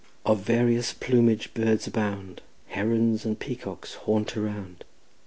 Of various plumage birds abound; Herons and peacocks haunt around.